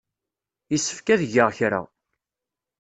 Yessefk ad geɣ kra.